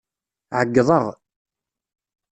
Ɛeyyḍeɣ.